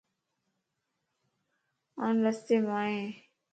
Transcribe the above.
آن رستي مائين